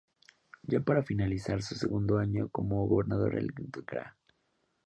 Ya para finalizar su segundo año como gobernador el Gral.